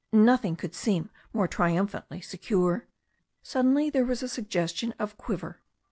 Nothing could seem more triumphantly secure. Suddenly there was a suggestion of quiver.